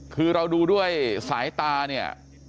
คือเราดูด้วยสายตาเนี่ย